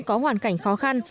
có hoàn cảnh khó khăn